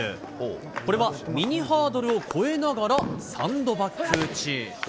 これはミニハードルを越えながらサンドバッグ打ち。